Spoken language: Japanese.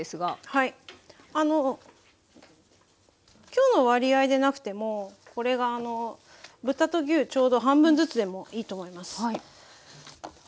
今日の割合でなくてもこれが豚と牛ちょうど半分ずつでもいいと思います。